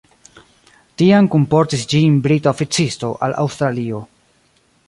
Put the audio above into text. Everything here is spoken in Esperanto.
Tiam kunportis ĝin brita oficisto al Aŭstralio.